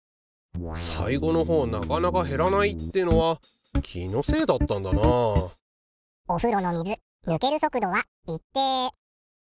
最後のほうなかなか減らないっていうのは気のせいだったんだなあおふろの水ぬける速度は一定。